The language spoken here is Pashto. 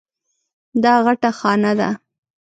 دا غټه خانه ده.